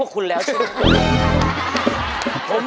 โตบ